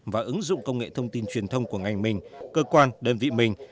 và ứng dụng công nghệ thông tin truyền thông của ngành mình cơ quan đơn vị mình